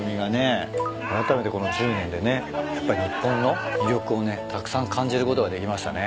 あらためてこの１０年でねやっぱり日本の魅力をねたくさん感じることができましたね。